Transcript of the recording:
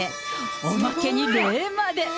おまけに礼まで。